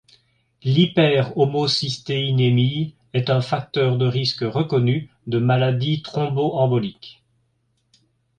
L'hyperhomocystéinémie est un facteur de risque reconnu de maladie thromboembolique.